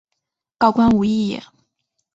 告官无益也。